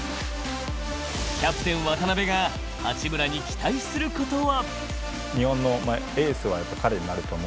キャプテン・渡邊が八村に期待することは？